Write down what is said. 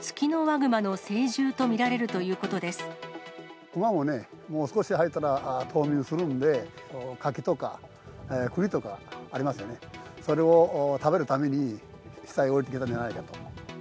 クマもね、もう少し入ったら冬眠するので、柿とかくりとかありますよね、それを食べるために下へ下りてきたんじゃないかと。